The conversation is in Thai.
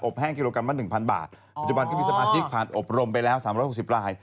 แห้งกิโลกรัมละ๑๐๐บาทปัจจุบันก็มีสมาชิกผ่านอบรมไปแล้ว๓๖๐ราย